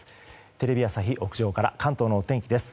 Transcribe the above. テレビ朝日屋上から関東のお天気です。